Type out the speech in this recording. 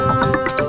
berhasil bos jun